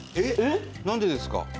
何でですか？